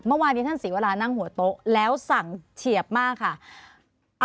เมื่อวานนี้ท่านศรีวรานั่งหัวโต๊ะแล้วสั่งเฉียบมากค่ะ